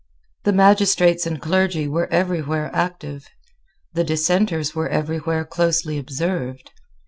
The magistrates and clergy were everywhere active, the Dissenters were everywhere closely observed.